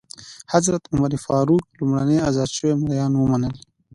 حضرت عمر فاروق لومړی ازاد شوي مریان ومنل.